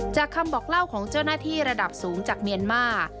คำบอกเล่าของเจ้าหน้าที่ระดับสูงจากเมียนมาร์